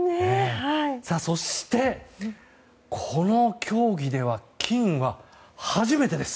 そして、この競技では金は初めてです。